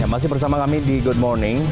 masih bersama kami di good morning